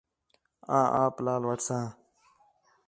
آں آپ لال وٹھساں